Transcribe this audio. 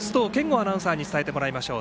アナウンサーに伝えてもらいましょう。